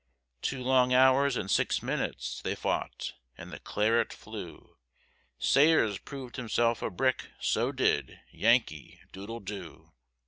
Two long hours and six minutes They fought, and the claret flew, Sayers proved himself a brick, so did Yankee doodle doo.